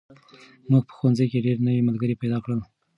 موږ په ښوونځي کې ډېر نوي ملګري پیدا کړل.